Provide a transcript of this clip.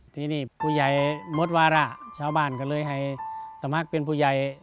ทีนี้ผู้ใหญ่หมดวาระชาวบ้านก็เลยให้สมัครเป็นผู้ใหญ่